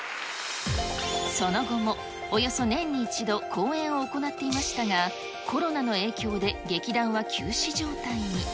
その後もおよそ年に１度、公演を行っていましたが、コロナの影響で劇団は休止状態に。